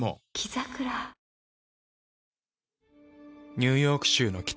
ニューヨーク州の北。